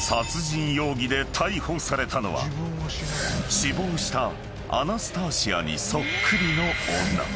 ［死亡したアナスターシアにそっくりの女